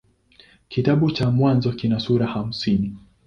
Kitabu cha Mwanzo kina sura hamsini.